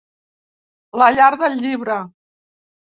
La Llar del Llibre.